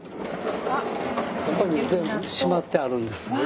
ここに全部しまってあるんです。